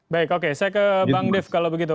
baik oke saya ke bang dev kalau begitu